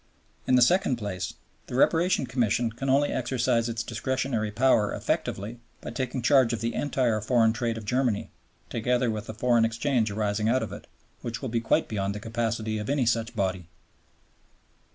In the second place, the Reparation Commission can only exercise its discretionary power effectively by taking charge of the entire foreign trade of Germany, together with the foreign exchange arising out of it, which will be quite beyond the capacity of any such body.